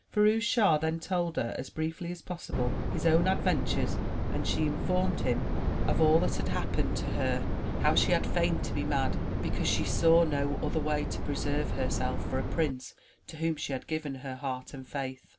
Firouz Schah then told her as briefly as possible his own adventures and she informed him of all that had happened 53 MY BOOK HOUSE to her — ^how she had feigned to be mad because she saw no other way to preserve herself for a prince to whom she had given her heart and faith.